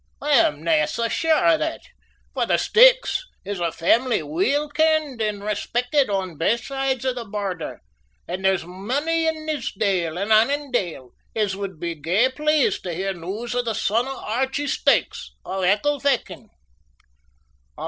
I am na sae sure o' that, for the Stakes is a family weel kenned and respecked on baith sides o' the Border, and there's mony in Nithsdale and Annandale as would be gey pleased to hear news o' the son o' Archie Stakes, o' Ecclefechan.